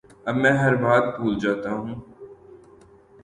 اب میں ہر بات بھول جاتا ہوں